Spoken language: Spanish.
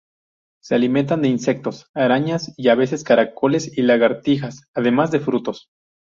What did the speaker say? Se alimentan de insectos, arañas y a veces caracoles y lagartijas, además de frutos.